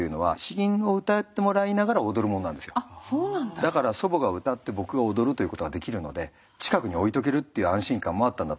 だから祖母がうたって僕が踊るということができるので近くに置いとけるっていう安心感もあったんだと思うんです。